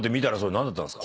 何だったんですか？